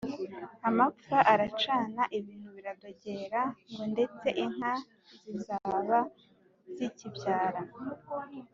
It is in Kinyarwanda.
amapfa aracana, ibintu biradogera, ngo ndetse inka ntizaba zikibyara,